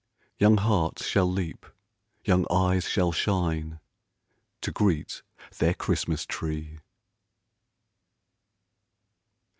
Young hearts shall leap, young eyes shall shine To greet their Christmas tree!"